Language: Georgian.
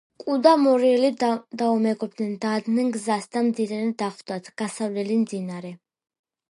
კუ და მორიელი დამეგობრდნენ დაადგნენ გზას და მდინარე დახვდათ გასავლელი მდინარე